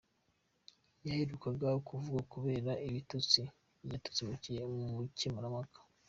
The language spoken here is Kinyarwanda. Yaherukaga kuvugwa kubera ibitutsi yatutse umukemurampaka.